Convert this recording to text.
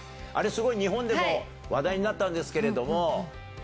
あれ、すごい日本でも話題になったんですけれども。